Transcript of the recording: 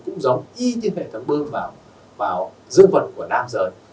cũng giống y như hệ thống bơm vào dương vật của nam giới